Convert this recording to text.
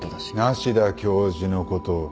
梨多教授のことを。